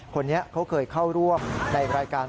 คนนี้เขาเคยเข้าร่วมในรายการ